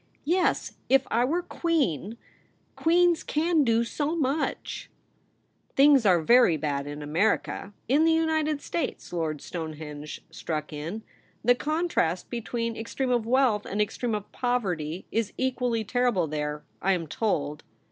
Yes, if I were Queen — Queens can do so much !'* Things are very bad in America — in the United States/ Lord Stonehenge struck in. ^ The contrast between extreme of wealth and extreme of poverty is equally terrible there, I am told.'